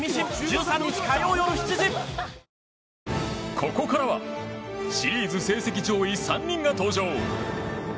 ここからはシリーズ成績上位３人が登場！